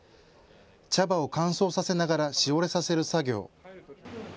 茶葉を乾燥させながらしおれさせる作業。